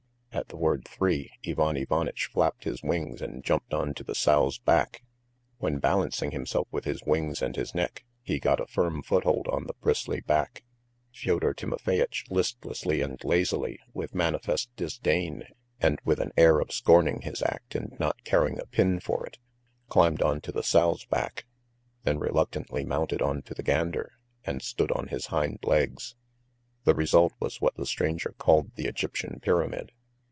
At the word "three" Ivan Ivanitch flapped his wings and jumped on to the sow's back. ... When, balancing himself with his wings and his neck, he got a firm foothold on the bristly back, Fyodor Timofeyitch listlessly and lazily, with manifest disdain, and with an air of scorning his art and not caring a pin for it, climbed on to the sow's back, then reluctantly mounted on to the gander, and stood on his hind legs. The result was what the stranger called the Egyptian pyramid.